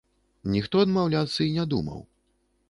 Ніхто адмаўляцца і не думаў.